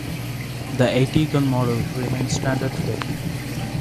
The Eitingon model remains standard today.